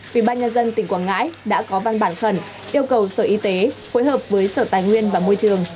ubnd tỉnh quảng ngãi đã có văn bản khẩn yêu cầu sở y tế phối hợp với sở tài nguyên và môi trường